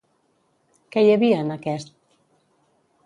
Què hi havia en aquest?